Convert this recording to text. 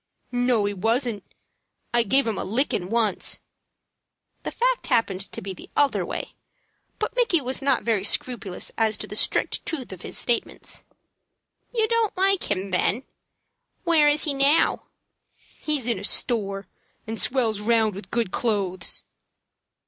"No, he wasn't. I give him a lickin' once." The fact happened to be the other way; but Micky was not very scrupulous as to the strict truth of his statements. "You don't like him, then? Where is he now?" "He's in a store, and swells round with good clothes."